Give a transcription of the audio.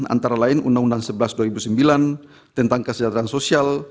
antara lain undang undang sebelas dua ribu sembilan tentang kesejahteraan sosial